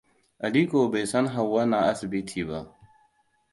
Aliko bai san Hauwa na asibiti ba.